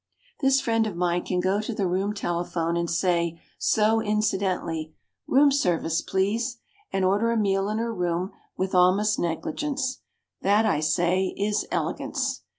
This friend of mine can go to the room telephone and say, so incidentally, "Room service, please," and order a meal in her room with almost negligence. That, I say, is elegance.